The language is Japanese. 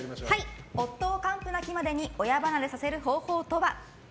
夫を完膚なきまでに親離れさせる方法とは？